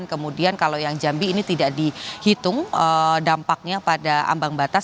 kemudian kalau yang jambi ini tidak dihitung dampaknya pada ambang batas